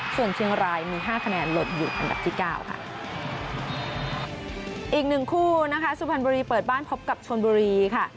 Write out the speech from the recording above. ส่วนเชียงรายมีห้าคะแนนหล่นอยู่อันดับที่เก้าค่ะอีกหนึ่งคู่นะคะสุพรรณบุรีเปิดบ้านพบกับชนบุรีค่ะ